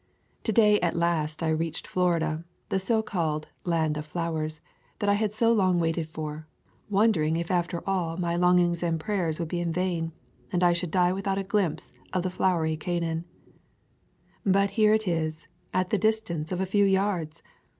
To day, at last, I reached Florida, the so called "Land of Flowers," that I had so long waited for, wondering if after all my long ings and prayers would be in vain, and I should die without a glimpse of the flowery Canaan. But here it is, at the distance of a few yards!